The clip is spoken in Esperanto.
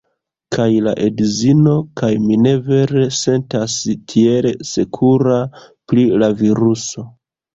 Kaj la edzino kaj mi ne vere sentas tiel sekura pri la viruso